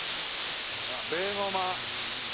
ベーゴマ。